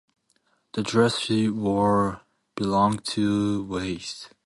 The dress she wore belonged to Wyeth.